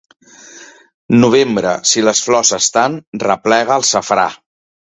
Novembre, si les flors estan, replega el safrà.